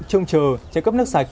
trông chờ trạm cấp nước sạch